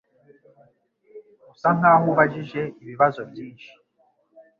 Usa nkaho ubajije ibibazo byinshi.